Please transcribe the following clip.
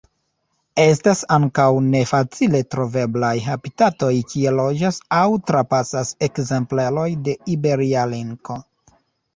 Estas ankaŭ ne facile troveblaj habitatoj kie loĝas aŭ trapasas ekzempleroj de Iberia linko.